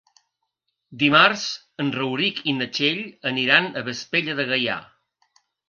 Dimarts en Rauric i na Txell aniran a Vespella de Gaià.